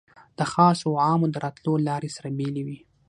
د خاصو او عامو د راتلو لارې سره بېلې وې.